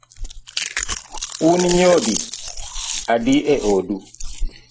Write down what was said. Un nyodi adi e odu?